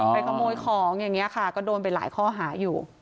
ขโมยของอย่างนี้ค่ะก็โดนไปหลายข้อหาอยู่